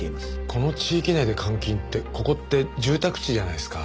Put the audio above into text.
この地域内で監禁ってここって住宅地じゃないですか。